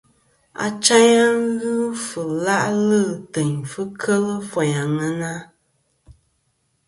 Achayn a ghɨ fɨ la'lɨ teyn fɨ kel foyn àŋena.